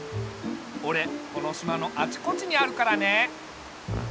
おれこの島のあちこちにあるからね。